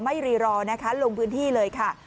รีรอนะคะลงพื้นที่เลยค่ะ